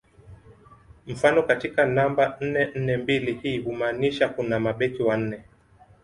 Mfano katika namba nne nne mbili hii humaanisha kuna mabeki wane